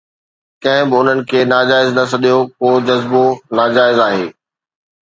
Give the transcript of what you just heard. ڪنهن به انهن کي ناجائز نه سڏيو، ڪو جذبو ناجائز آهي.